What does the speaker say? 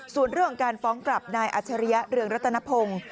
ส่วนเรื่องของการฟ้องกลับนายอัชริยะเรืองรัตนพงศ์